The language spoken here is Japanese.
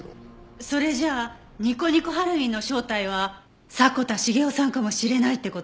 それじゃあにこにこハロウィーンの正体は迫田茂夫さんかもしれないって事？